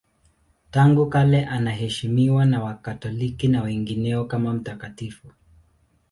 Tangu kale anaheshimiwa na Wakatoliki na wengineo kama mtakatifu.